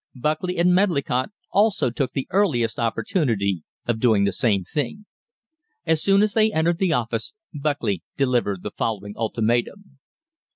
Buckley and Medlicott also took the earliest opportunity of doing the same thing. As soon as they entered the office, Buckley delivered the following ultimatum.